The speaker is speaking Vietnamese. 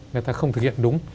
người ta không thực hiện đúng